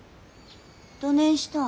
どねんしたん？